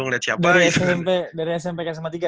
dari smp ke sma tiga ya